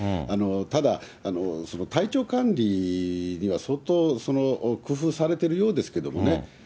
ただ、体調管理には相当、工夫されているようですけどもね。